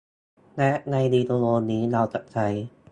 และในวิดีโอนี้ เราจะใช้